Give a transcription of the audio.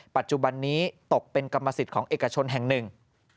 ปัจจุบันนี้ตกเป็นกรรมสิทธิ์ของเอกชนแห่งหนึ่ง